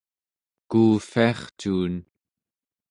kuuvviarcuun